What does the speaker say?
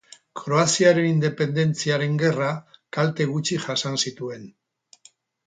Kroaziaren independentziaren gerran kalte gutxi jasan zituen.